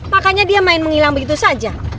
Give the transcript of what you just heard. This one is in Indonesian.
makanya dia main menghilang begitu saja